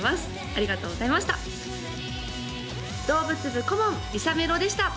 ありがとうございました動物部顧問りさめろでした